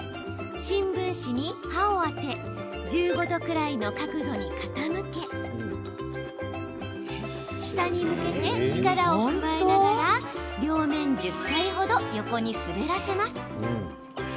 新聞紙に刃を当て１５度くらいの角度に傾け下に向けて力を加えながら両面１０回ほど横に滑らせます。